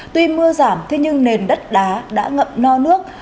tuy mưa giảm thế nhưng nền đất đá đã ngậm no nước